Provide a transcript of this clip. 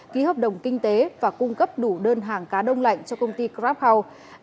ký hợp đồng kinh tế và cung cấp đủ đơn hàng cá đông lạnh cho công ty grab house